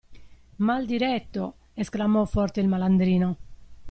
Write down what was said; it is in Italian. Mal diretto! Esclamò forte il malandrino.